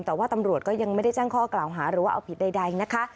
แต่ว่าตำรวจก็ยังไม่ได้แจ้งข้อกล่าวหาหรือว่าเอาผิดใดนะคะ